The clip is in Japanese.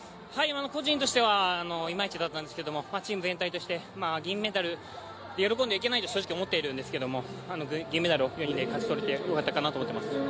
個人としてはいまいちだったんですけれども、チーム全体として銀メダル喜んではいけないと正直思ってはいるんですけど銀メダルを４人で勝ち取れてよかったかなと思ってます。